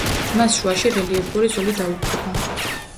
მას შუაში რელიეფური ზოლი დაუყვება.